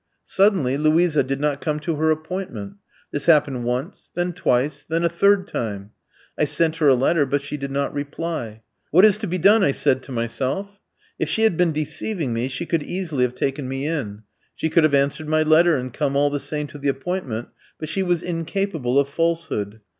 Suddenly Luisa did not come to her appointment. This happened once, then twice, then a third time. I sent her a letter, but she did not reply. 'What is to be done?' I said to myself. If she had been deceiving me she could easily have taken me in. She could have answered my letter and come all the same to the appointment; but she was incapable of falsehood.